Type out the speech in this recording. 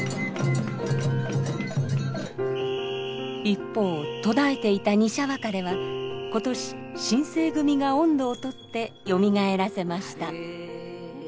一方途絶えていた二車別れは今年新盛組が音頭を取ってよみがえらせました。